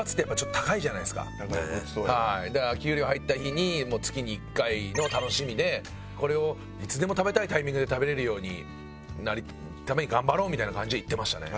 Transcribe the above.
だから給料入った日に月に１回の楽しみでこれをいつでも食べたいタイミングで食べられるようになるために頑張ろうみたいな感じで行ってましたね。